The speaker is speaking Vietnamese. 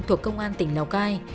thuộc công an tỉnh lào cai